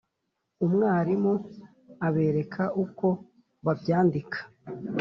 Umwarimu abereka uko babyandika.